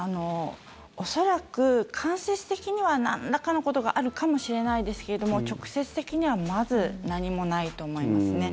恐らく間接的にはなんらかのことがあるかもしれないですけれども直接的にはまず何もないと思いますね。